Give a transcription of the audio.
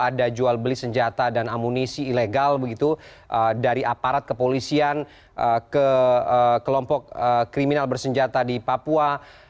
ada jual beli senjata dan amunisi ilegal begitu dari aparat kepolisian ke kelompok kriminal bersenjata di papua